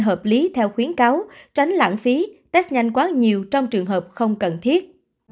hợp lý theo khuyến cáo tránh lãng phí test nhanh quá nhiều trong trường hợp không cần thiết